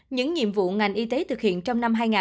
những nhiệm vụ ngành y tế thực hiện trong năm hai nghìn hai mươi